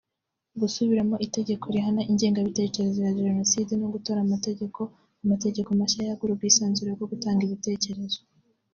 gusubiramo Itegeko rihana ingengabitekerezo ya Jenoside no gutora amategeko amategeko mashya yagura ubwisanzure bwo gutanga ibitekerezo